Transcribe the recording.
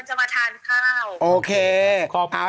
เดี๋ยวแม่งจะมาทานข้าว